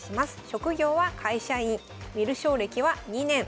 職業は会社員観る将歴は２年。